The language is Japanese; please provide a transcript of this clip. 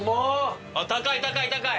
高い高い高い！